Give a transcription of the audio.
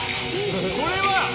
これは！